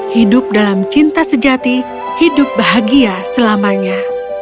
hidup dalam cinta sejati hidup bahagia selamanya